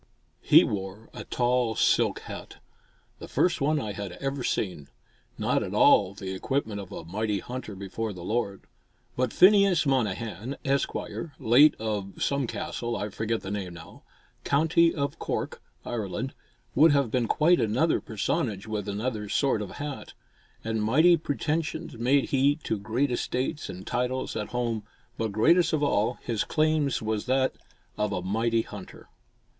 He wore a tall silk hat, the first one I had ever seen, not at all the equipment of "a mighty hunter before the Lord;" but Phineas Monnehan, Esq., late of some castle (I forget the name now), County of Cork, Ireland, would have been quite another personage with another sort of hat. And mighty pretension made he to great estates and titles at home, but greatest of all his claims was that of "a mighty hunter."